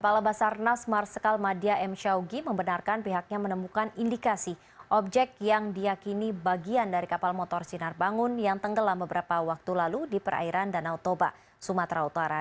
kepala basarnas marsikal madia m syawgi membenarkan pihaknya menemukan indikasi objek yang diakini bagian dari kapal motor sinar bangun yang tenggelam beberapa waktu lalu di perairan danau toba sumatera utara